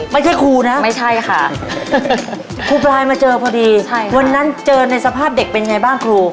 ไม่ใช่ครูนะไม่ใช่ค่ะครูพลายมาเจอพอดีวันนั้นเจอในสภาพเด็กเป็นไงบ้างครู